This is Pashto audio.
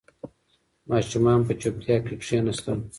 ماشومان په چوپتیا کې کښېناستل.